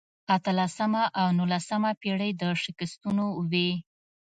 اتلسمه او نولسمه پېړۍ د شکستونو وې.